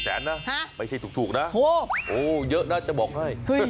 แสนนะไม่ใช่ถูกนะโอ้เยอะนะจะบอกให้